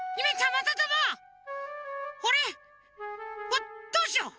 わっどうしよう？